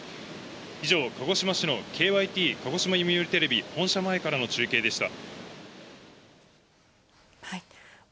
以上、鹿児島市のＫＹＴ鹿児島読売テレビ本社前からの中継でした。